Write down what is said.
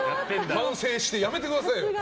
反省してやめてくださいよ！